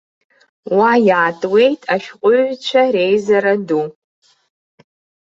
Уа иаатуеит ашәҟәыҩҩцәа реизара ду.